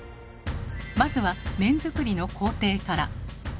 まずは麺作りの工程から。